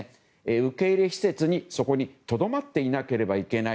受け入れ施設に、そこにとどまっていなければいけない。